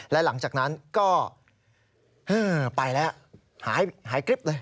และหลังจากนั้นก็ไปแล้วหายกริ๊บเลย